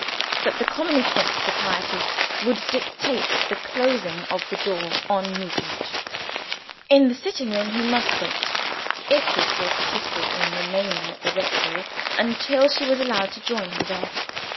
But the commonest sense of propriety would dictate the closing of the door on Nugent. In the sitting room he must wait (if he still persisted in remaining at the rectory) until she was allowed to join him there.